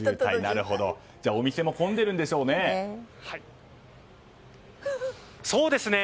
じゃあお店も混んでるんでしょうね。